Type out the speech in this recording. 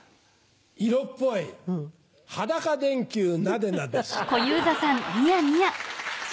色っぽい裸電球なでなでし。